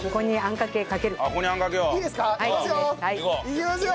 いきますよ！